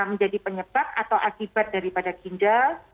menjadi penyebab atau akibat daripada ginjal